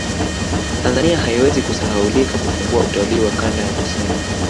Tanzania haiwezi kusahaulika kufungua utalii wa kanda ya kusini